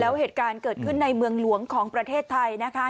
แล้วเหตุการณ์เกิดขึ้นในเมืองหลวงของประเทศไทยนะคะ